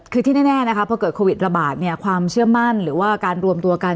คือที่แน่นะคะพอเกิดโควิดระบาดเนี่ยความเชื่อมั่นหรือว่าการรวมตัวกัน